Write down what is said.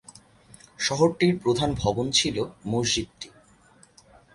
শহরটির প্রধান ভবন ছিল মসজিদটি।